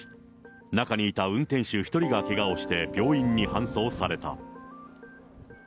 中にいた運転手１人がけがをして病院に搬送された。